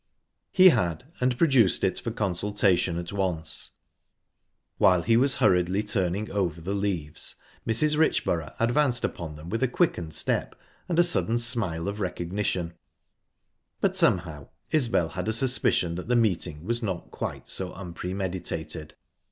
He had, and produced it for consultation at once. While he was hurriedly turning over the leaves, Mrs. Richborough advanced upon them with a quickened step and a sudden smile of recognition but, somehow, Isbel had a suspicion that the meeting was not quite so unpremeditated.